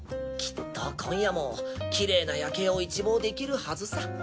きっと今夜もきれいな夜景を一望できるはずさ！